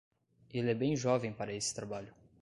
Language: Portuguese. Ele é bem jovem para esse trabalho.